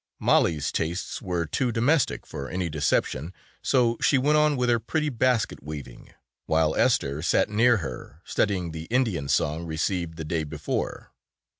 Mollie's tastes were too domestic for any deception, so she went on with her pretty basket weaving, while Esther sat near her studying the Indian song received the day before.